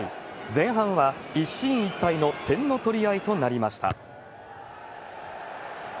前半は一進一退の点の取り合いとなりました。